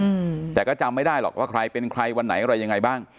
อืมแต่ก็จำไม่ได้หรอกว่าใครเป็นใครวันไหนอะไรยังไงบ้าง